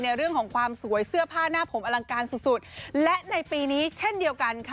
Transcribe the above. เรื่องของความสวยเสื้อผ้าหน้าผมอลังการสุดสุดและในปีนี้เช่นเดียวกันค่ะ